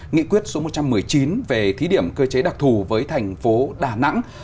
nghị quyết số một trăm một mươi chín về thí điểm cơ chế đặc thù với thành phố đà nẵng